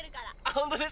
ホントですか！？